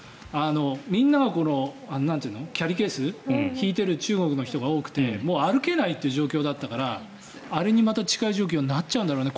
みんながキャリーケースを引いてる中国の人が多くてもう歩けないという状況だったからあれに近い状況にまたなっちゃうんだろうな。